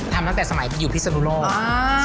ทำตั้งแต่สมัยอยู่พิษนุรอบ